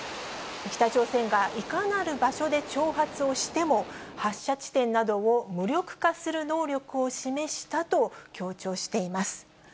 北朝鮮がいかなる場所で挑発をしても、発射地点などを無力化する能力を示したと強調しています。